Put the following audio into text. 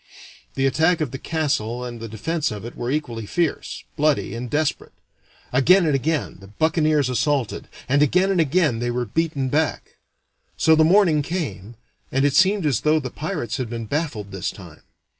The attack of the castle and the defense of it were equally fierce, bloody, and desperate. Again and again the buccaneers assaulted, and again and again they were beaten back. So the morning came, and it seemed as though the pirates had been baffled this time.